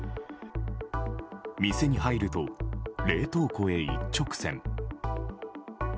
店に入ると、冷凍庫へ一直線。